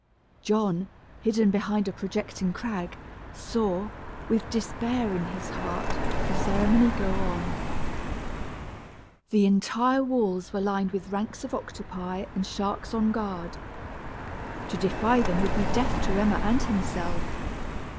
John, hidden behind a projecting crag, saw, with despair in his heart, the ceremony go on. The entire walls were lined with ranks of octopi and sharks on guard. To defy them would be death to Emma and himself.